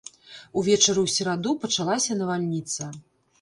Увечары ў сераду пачалася навальніца.